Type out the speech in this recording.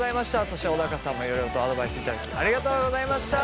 そして小高さんもいろいろとアドバイスいただきありがとうございました。